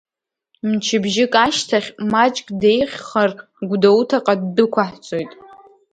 Мчыбжьык ашьҭахь, маҷк деиӷьхар Гәдоуҭаҟа ддәықәаҳҵоит.